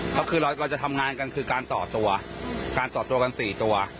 ก็คือเราจะทำงานกันคือการต่อตัวการต่อตัวกัน๔ตัว